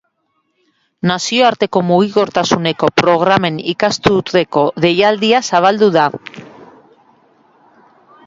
Nazioarteko mugikortasuneko programen ikasturteko deialdia zabaldu da.